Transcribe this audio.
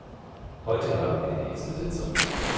Heute haben wir die nächste Sitzung.